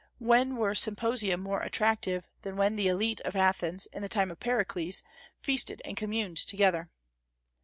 When were symposia more attractive than when the élite of Athens, in the time of Pericles, feasted and communed together?